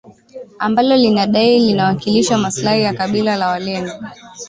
ambalo linadai linawakilisha maslahi ya kabila la walendu